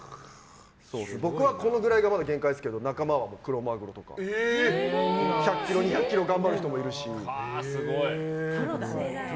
僕はこのぐらいが限界ですけど仲間はクロマグロとか１００ｋｇ、２００ｋｇ頑張る人もいるし。